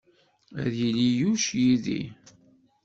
Ad yili Yuc yid-i.